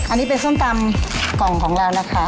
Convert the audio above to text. อันนี้เป็นส้มตำกล่องของเรานะคะ